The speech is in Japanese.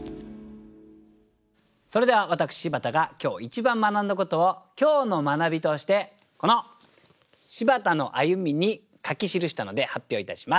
それでは私柴田が今日一番学んだことを今日の学びとしてこの「柴田の歩み」に書き記したので発表いたします。